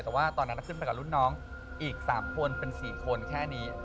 แต่ว่าตอนนั้นขึ้นไปกับรุ่นน้องอีก๓คนเป็น๔คนแค่นี้